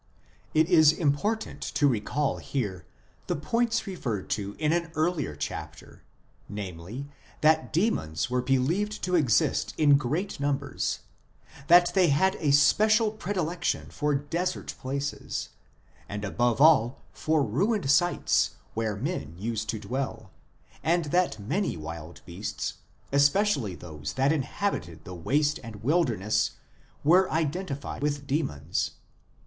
It is important to recall here the points referred to in an earlier chapter, namely, that demons were believed to exist in great num bers, that they had a special predilection for desert places, and above all for ruined sites where men used to dwell ; and that many wild beasts, especially those that inhabited the waste and wilderness, were identified with demons.